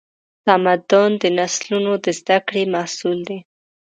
تمدن د نسلونو د زدهکړې محصول دی.